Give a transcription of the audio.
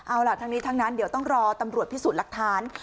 เอาล่ะทั้งนี้ทั้งนั้นเดี๋ยวต้องรอตำรวจพิสูจน์หลักฐาน